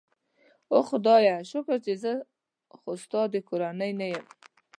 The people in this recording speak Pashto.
اوه خدایه، شکر چې زه خو ستا د کورنۍ نه یم.